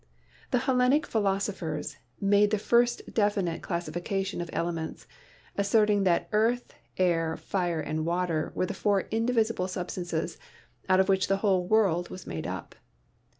The Hellenic philosophers made the first definite classi fication of elements, asserting that earth, air, fire and water were the four indivisible substances out of which the whole world was made up.